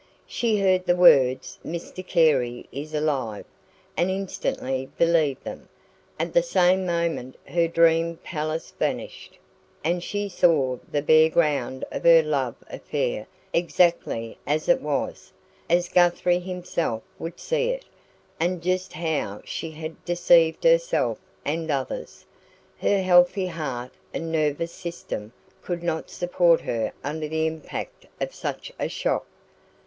She heard the words: 'Mr Carey is alive,' and instantly believed them; at the same moment her dream palace vanished, and she saw the bare ground of her love affair exactly as it was as Guthrie himself would see it and just how she had deceived herself and others. Her healthy heart and nervous system could not support her under the impact of such a shock.